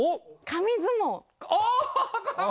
紙相撲。